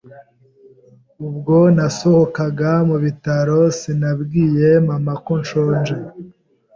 Ubwo nasohokaga mu bitaro, sinabwiye mama ko nshonje.